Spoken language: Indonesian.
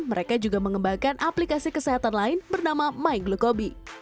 mereka juga mengembangkan aplikasi kesehatan lain bernama myglucose